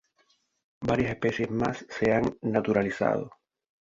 Varias especies más se han naturalizado.